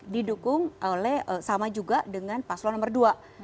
didukung oleh sama juga dengan paslon nomor dua